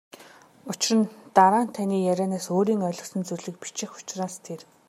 Учир нь дараа нь таны ярианаас өөрийн ойлгосон зүйлийг бичих учраас тэр.